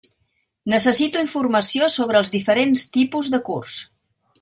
Necessito informació sobre els diferents tipus de curs.